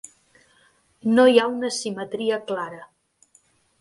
No hi ha una simetria clara.